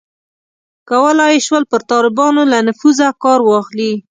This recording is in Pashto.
کولای یې شول پر طالبانو له نفوذه کار واخلي.